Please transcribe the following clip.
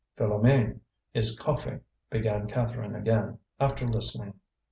"Philoméne is coughing," began Catherine again, after listening.